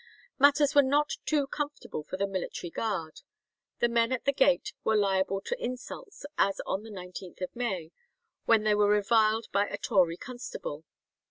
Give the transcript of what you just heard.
Matters were not too comfortable for the military guard. The men at the gate were liable to insults as on the 19th May, when they were reviled by a Tory constable.